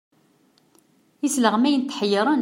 Isleɣmayen tḥeyyren.